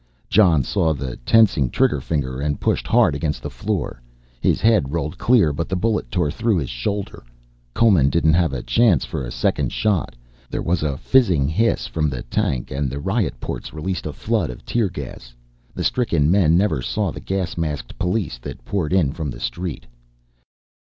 Jon saw the tensing trigger finger and pushed hard against the floor. His head rolled clear but the bullet tore through his shoulder. Coleman didn't have a chance for a second shot, there was a fizzling hiss from the tank and the riot ports released a flood of tear gas. The stricken men never saw the gas masked police that poured in from the street.